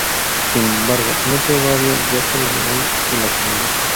Sin embargo, no todo va bien, ya que Lane y la Sra.